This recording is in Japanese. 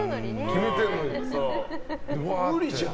決めてるのに。